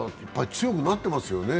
強くなってますよね。